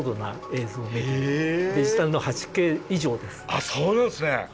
あっそうなんですね！